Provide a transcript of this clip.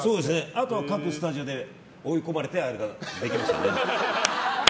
あとは各スタジオで追い込まれて、できました。